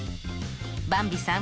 ばんびさん。